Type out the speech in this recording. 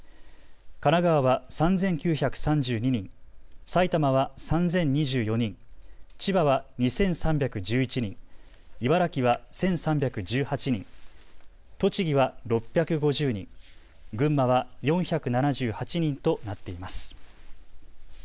神奈川は３９３２人、埼玉は３０２４人、千葉は２３１１人、茨城は１３１８人、栃木は６５０人、群馬は４７８人となっています。